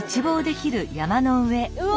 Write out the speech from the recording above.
うわ！